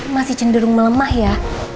masih cenderung melemah ya